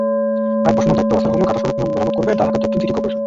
Pipe বসানোর দায়িত্ব ওয়াসার হলেও কাটা সড়ক মেরামত করবে ঢাকা দক্ষিণ সিটি করপোরেশন।